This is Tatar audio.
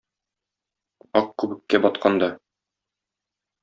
Ак күбеккә батканда